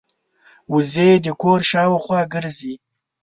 وزې د کور شاوخوا ګرځي